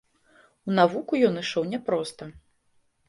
У навуку ён ішоў няпроста.